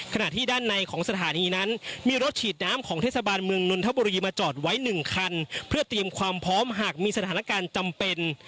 ขณะที่ด้านในของสถานีนั้นมีรถฉีดน้ำของเทศบาลเมืองนนทบุรีมาจอดไว้หนึ่งคันเพื่อเตรียมความพร้อมหากมีสถานการณ์จำเป็น